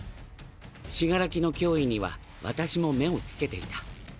死柄木の脅威には私も目をつけていた。